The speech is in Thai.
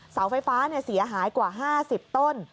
เสาไฟฟ้าเสียหายกว่า๕๐ต้น